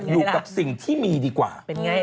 อยู่กับสิ่งที่มีดีกว่า